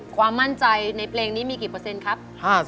ความมั่นใจในเพลงนี้มีกี่เปอร์เซ็นต์ครับ